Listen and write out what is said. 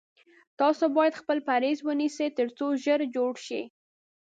تاسو باید خپل پریز ونیسی تر څو ژر جوړ شی